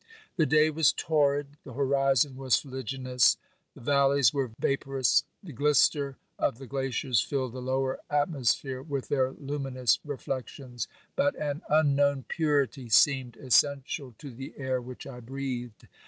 The day was torrid, the horizon was fuliginous, the valleys were vaporous. The glister of the glaciers filled the lower atmosphere with their luminous reflections ; but an unknown purity seemed essential to the air which I breathed.